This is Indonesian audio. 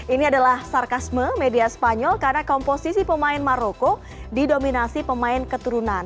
ini adalah sarkasme media spanyol karena komposisi pemain maroko didominasi pemain keturunan